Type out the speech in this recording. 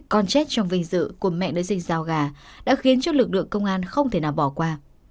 con chết trong vinh dự của mẹ nữ sinh giao gà đã khiến cho lực lượng công an không thể nào bỏ qua